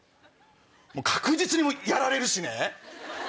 確実にやられるしね。